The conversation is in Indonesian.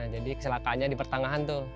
jadi keselakaannya di pertangahan tuh